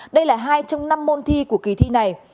đây là hai trong năm môn thi của kỳ thi này